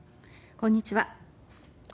こんにちは。